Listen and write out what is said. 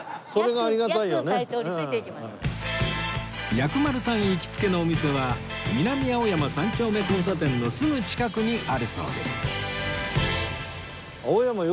薬丸さん行きつけのお店は南青山三丁目交差点のすぐ近くにあるそうです